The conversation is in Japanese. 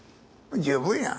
十分や。